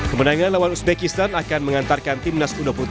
pemenangnya lawan uzbekistan akan mengantarkan tim nas u dua puluh tiga